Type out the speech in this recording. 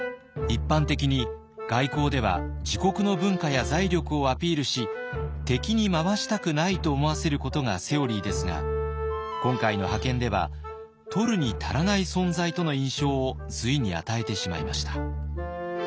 一般的に外交では自国の文化や財力をアピールし「敵に回したくない」と思わせることがセオリーですが今回の派遣では「取るに足らない存在」との印象を隋に与えてしまいました。